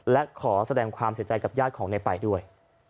และขอแสดงความเสียใจกับญาติของในไปด้วย